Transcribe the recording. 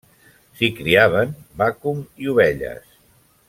S'hi criaven vacum i ovelles.